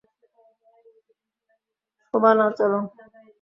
শোবানা, চলো!